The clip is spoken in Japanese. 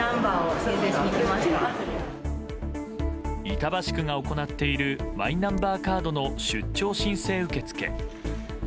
板橋区が行っているマイナンバーカードの出張申請受付。